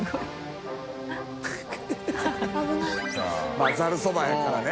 まぁざるそばやからね。